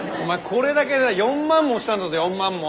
これだけで４万もしたんだぜ４万も。